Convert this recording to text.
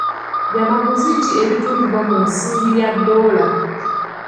Byamaguzi ki ebitundibwa mu nsimbi ya doola?